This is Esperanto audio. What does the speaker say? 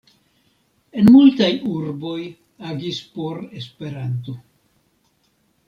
En multaj urboj agis por Esperanto.